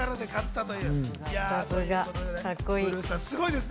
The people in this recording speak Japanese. すごい。